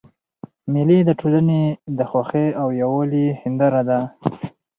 مېلې د ټولني د خوښۍ او یووالي هنداره ده.